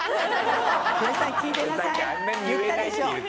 言ったでしょ。